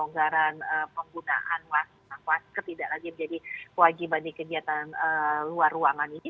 negara yang sedang melakukan pelonggaran penggunaan masker tidak lagi menjadi wajib di kegiatan luar ruangan ini